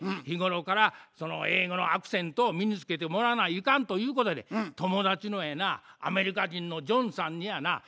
日頃から英語のアクセントを身につけてもらわないかんということで友達のやなアメリカ人のジョンさんにやな